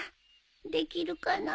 できるかな。